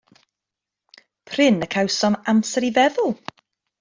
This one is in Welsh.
Prin y cawswn amser i feddwl.